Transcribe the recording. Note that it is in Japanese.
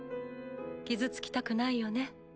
傷つきたくないよね。